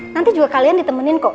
nanti juga kalian ditemenin kok